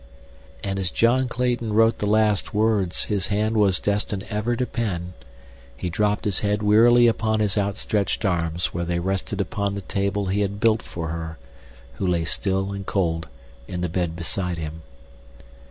And as John Clayton wrote the last words his hand was destined ever to pen, he dropped his head wearily upon his outstretched arms where they rested upon the table he had built for her who lay still and cold in the bed beside him.